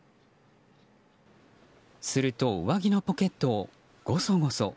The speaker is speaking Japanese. すると上着のポケットをごそごそ。